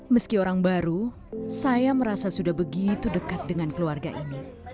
meski orang baru saya merasa sudah begitu dekat dengan keluarga ini